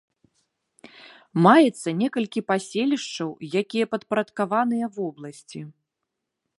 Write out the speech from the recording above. Маецца некалькі паселішчаў, якія падпарадкаваныя вобласці.